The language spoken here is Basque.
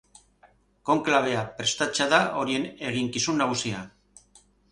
Konklabea prestatzea da horien eginkizun nagusia.